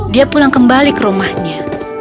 dia pulang kembali ke rumahnya